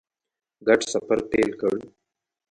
ګډ سفر پیل کړ.